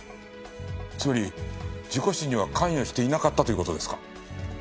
つまり事故死には関与していなかったという事ですか？